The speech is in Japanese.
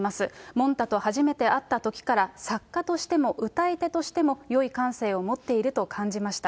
もんたと初めて会ったときから、作家としても歌い手としてもよい感性を持っていると感じました。